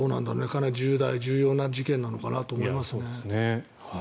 かなり重大な事件なのかなと思いますね。